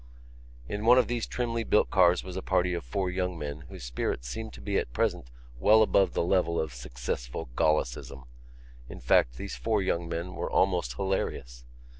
In one of these trimly built cars was a party of four young men whose spirits seemed to be at present well above the level of successful Gallicism: in fact, these four young men were almost hilarious.